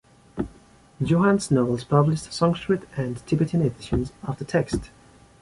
Johannes Nobel published Sanskrit and Tibetan editions of the text.